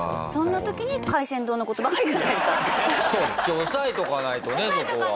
押さえとかないとねそこは。